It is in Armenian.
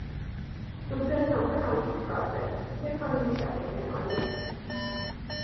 - Դուք ձեզ համար հանգիստ կացեք և հանգիստ եղեք էմմային: